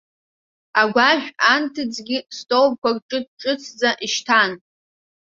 Агәашә анҭыҵгьы столбқәак ҿыц-ҿыцӡа ишьҭан.